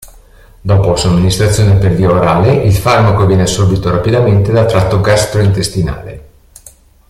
Dopo somministrazione per via orale il farmaco viene assorbito rapidamente dal tratto gastrointestinale.